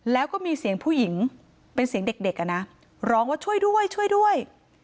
แล้วก็มีเสียงผู้หญิงเป็นเสียงเด็กอ่ะนะร้องว่าช่วยด้วยช่วยด้วย